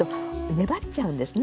粘っちゃうんですね。